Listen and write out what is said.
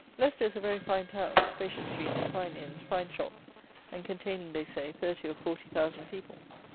Leicester is a very fine town; spacious streets, fine inns, fine shops, and containing, they say, thirty or forty thousand people.